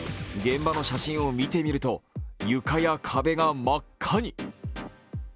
現場の写真を見てみると床や壁が真っ赤に。